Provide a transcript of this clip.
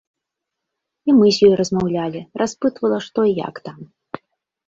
І мы з ёй размаўлялі, распытвала, што і як там.